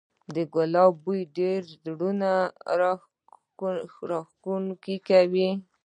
د ګلاب بوی ډیر زړه راښکونکی دی